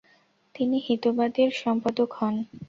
তিনি 'হিতবাদী' র সম্পাদক হন।